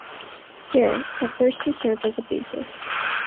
Here, at first he served as a bassist.